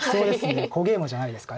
小ゲイマじゃないですか。